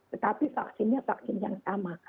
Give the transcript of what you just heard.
tetapi vaksinnya vaksin yang sama